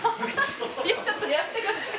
ちょっとやめてください。